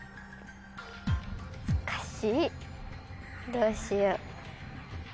どうしよう。